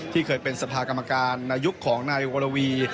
เคยเป็นสภากรรมการในยุคของนายวรวี